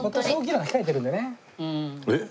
えっ？